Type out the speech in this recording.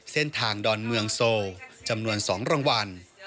เส้นทางดอนเมืองโซจำนวน๒รางวัล